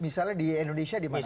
misalnya di indonesia di mana mas